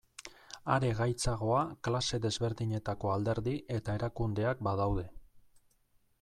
Are gaitzagoa klase desberdinetako alderdi eta erakundeak badaude.